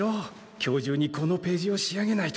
今日中にこのページを仕上げないと。